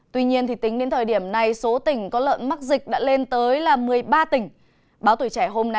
tuy nhiên tính đến thời điểm này số tỉnh có lợn mắc dịch đã lên tới một mươi ba tỉnh